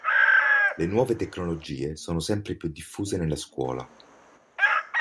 Le nuove tecnologie sono sempre più diffuse nella scuola.